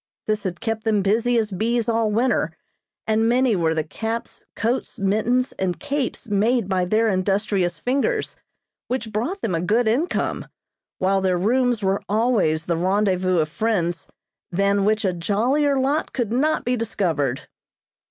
This had kept them busy as bees all winter, and many were the caps, coats, mittens and capes made by their industrious fingers, which brought them a good income, while their rooms were always the rendezvous of friends than which a jollier lot could not be discovered.